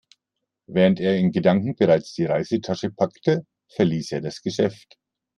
Während er in Gedanken bereits die Reisetasche packte, verließ er das Geschäft.